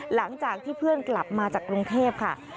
หลังจากที่เพื่อนกลับมาจากกรุงเทพค่ะ